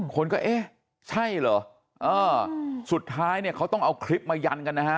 คนก็เอ๊ะใช่เหรอเออสุดท้ายเนี่ยเขาต้องเอาคลิปมายันกันนะฮะ